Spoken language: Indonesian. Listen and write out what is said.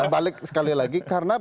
balik sekali lagi